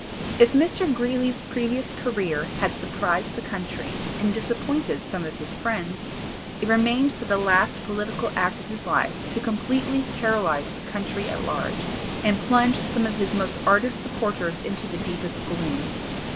If Mr. Greeley's previous career had surprised the country and disappointed some of his friends, it remained for the last political act of his life to completely paralyze the country at large, and plunge some of his most ardent supporters into the deepest gloom.